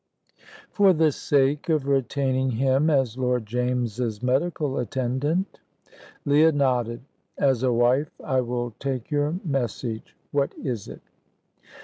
"For the sake of retaining him as Lord James's medical attendant." Leah nodded. "As a wife, I will take your message. What is it?"